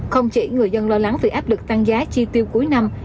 không chỉ người dân lo lắng vì áp lực tăng giá chi tiêu cuối năm